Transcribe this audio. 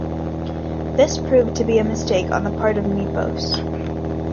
This proved to be a mistake on the part of Nepos.